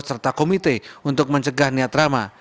serta komite untuk mencegah niat rama